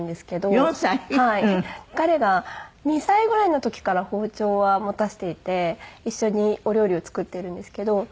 彼が２歳ぐらいの時から包丁は持たせていて一緒にお料理を作ってるんですけど。